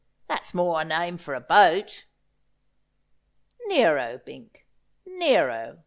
That's more of a name for a boat.' ' Nero, Bink, Nero.